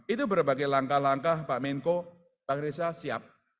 itu berbagai langkah langkah pak menko pak reza siap